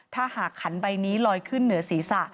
ถ้าหากขันใบนี้ลอยขึ้นเหนือศีรษะ